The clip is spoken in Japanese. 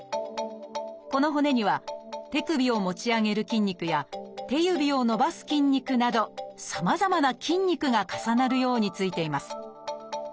この骨には手首を持ち上げる筋肉や手指を伸ばす筋肉などさまざまな筋肉が重なるようについています。